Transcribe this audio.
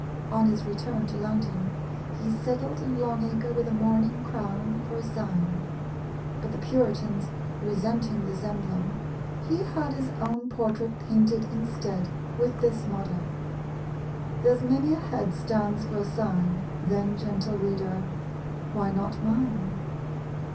On his return to London, he settled in Long Acre with a mourning crown for a sign; but the Puritans resenting this emblem, he had his own portrait painted instead with this motto "There's many a head stands for a sign: Then, gentle reader, why not mine?"